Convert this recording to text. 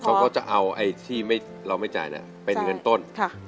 เขาก็จะเอาไอ้ที่เราไม่จ่ายเป็นเงินต้น